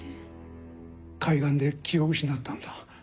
海岸で気を失ったんだ。